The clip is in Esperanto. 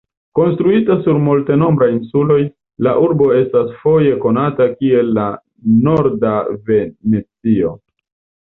Konstruita sur multenombraj insuloj, la urbo estas foje konata kiel "la Norda Venecio".